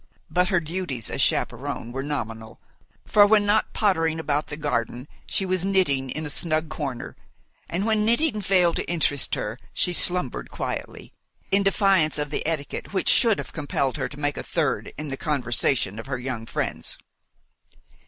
But her duties as chaperon were nominal, for when not pottering about the garden she was knitting in a snug corner, and when knitting failed to interest her she slumbered quietly, in defiance of the etiquette which should have compelled her to make a third in the conversation of her young friends.